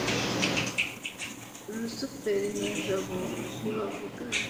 rusufero na jabo ntibavugana